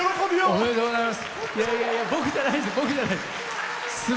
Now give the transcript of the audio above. おめでとうございます。